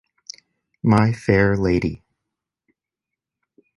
My fair lady.